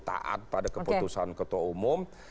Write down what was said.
taat pada keputusan ketua umum